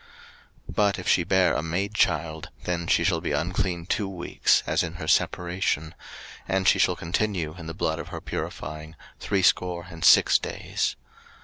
03:012:005 But if she bear a maid child, then she shall be unclean two weeks, as in her separation: and she shall continue in the blood of her purifying threescore and six days.